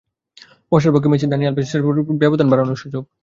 বার্সার পক্ষে Messi, Dani Alves, Cesc ফেব্রিগাসও পেয়েছিলেন ব্যবধান বাড়ানোর সুযোগ।